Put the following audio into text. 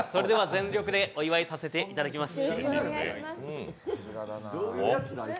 全力でお祝いさせていただきます。